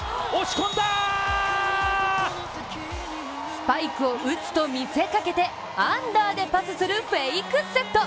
スパイクを打つと見せかけてアンダーでパスするフェイクセット！